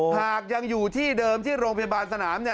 หากยังอยู่ที่เดิมที่โรงพยาบาลสนาม